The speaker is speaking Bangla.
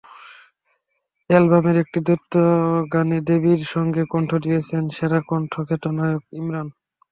অ্যালবামের একটি দ্বৈত গানে বেবীর সঙ্গে কণ্ঠ দিয়েছেন সেরাকণ্ঠখ্যাত গায়ক ইমরান।